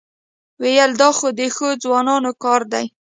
وېل دا خو د ښو ځوانانو کار دی.